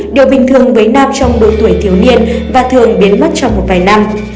điều bình thường với nam trong độ tuổi thiếu niên và thường biến mất trong một vài năm